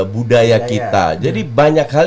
budaya kita jadi banyak hal